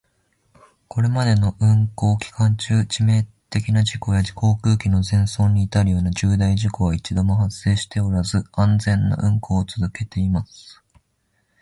これまでの運航期間中、致命的な事故や航空機の全損に至るような重大事故は一度も発生しておらず、安全な運航を続けています。